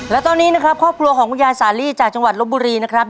และตอนนี้นะครับครอบครัวของคุณยายสาลีจากจังหวัดลบบุรีนะครับ